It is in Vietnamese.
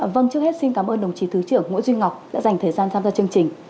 vâng trước hết xin cảm ơn đồng chí thứ trưởng nguyễn duy ngọc đã dành thời gian tham gia chương trình